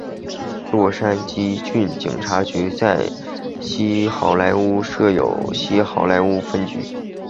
洛杉矶郡警察局在西好莱坞设有西好莱坞分局。